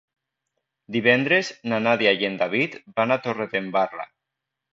Divendres na Nàdia i en David van a Torredembarra.